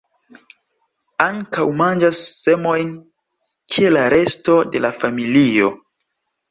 Ankaŭ manĝas semojn, kiel la resto de la familio.